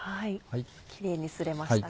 キレイにすれましたね。